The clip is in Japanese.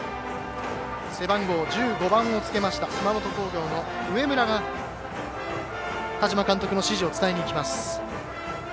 背番号１５番をつけました熊本工業の上村が田島監督の指示を伝えにいきます。